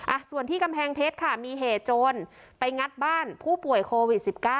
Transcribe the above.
อ่ะส่วนที่กำแพงเพชรค่ะมีเหตุโจรไปงัดบ้านผู้ป่วยโควิด๑๙